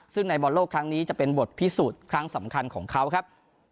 ซึ่งในบอลโลกครั้งนี้จะเป็นบทพิสูจน์ครั้งสำคัญของเขาครับ